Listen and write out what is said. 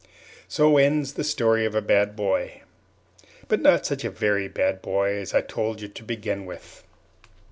So ends the Story of a Bad Boy but not such a very bad boy, as I told you to begin with.